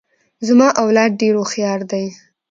زما اولاد ډیر هوښیار دي.